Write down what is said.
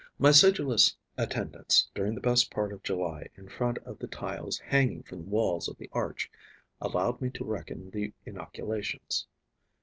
My sedulous attendance, during the best part of July, in front of the tiles hanging from the walls of the arch, allowed me to reckon the inoculations.